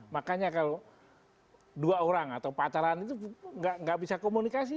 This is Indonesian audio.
makanya kalau dua orang atau pacaran itu nggak bisa komunikasi